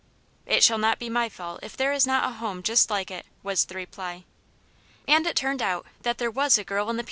" It shall not be my fault if there is not a home just like it !" was the reply. And it turned out that there was a girl in the 26o Aunt Janets Hero.